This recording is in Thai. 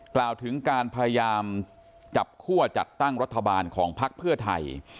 กล่าวถึงการพยายามจับคั่วจัดตั้งรัฐบาลของพักเพื่อไทย